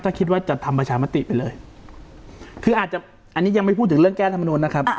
ถ้าคิดว่าจะทำประชามติไปเลยคืออาจจะอันนี้ยังไม่พูดถึงเรื่องแก้ธรรมนุนนะครับ